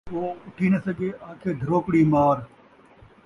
او اٹھی نہ سڳے، آکھے دھروکڑی مار